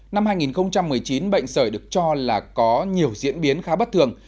năm hai nghìn một mươi chín bệnh sởi được cho là có nhiều diễn biến khá bất thường